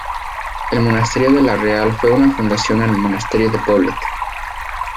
El monasterio de la Real fue una fundación del monasterio de Poblet.